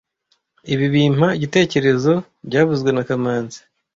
Ibi bimpa igitekerezo byavuzwe na kamanzi